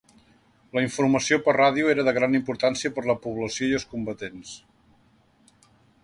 La informació per ràdio era de gran importància per la població i els combatents.